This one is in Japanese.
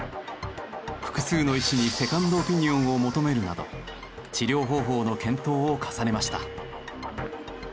複数の医師にセカンドオピニオンを求めるなど治療方法の検討を重ねました。